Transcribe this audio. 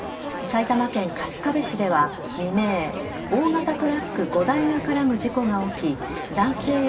埼玉県春日部市では未明大型トラック５台が絡む事故が起き男性